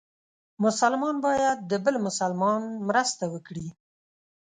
مسلمان باید د بل مسلمان مرسته وکړي.